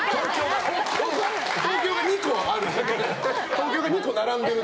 東京が２個ある。